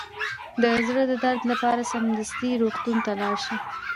د زړه د درد لپاره سمدستي روغتون ته لاړ شئ